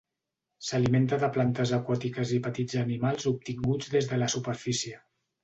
S'alimenta de plantes aquàtiques i petits animals obtinguts des de la superfície.